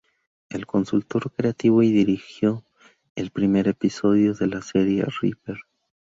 Es consultor creativo y dirigió el primer episodio de la serie "Reaper".